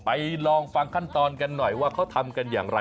ลองฟังขั้นตอนกันหน่อยว่าเขาทำกันอย่างไร